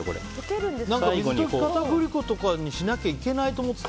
水溶き片栗粉とかにしないといけないと思ってた。